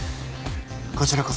こちらこそ。